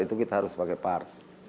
itu kita harus pakai par